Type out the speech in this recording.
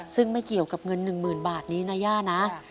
ซึ่งไม่เกี่ยวกับเงินหนึ่งหมื่นบาทนี้นะย่านะ